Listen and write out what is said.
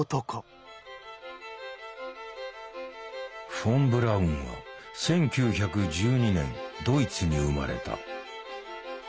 フォン・ブラウンは１９１２年ドイツに生まれた。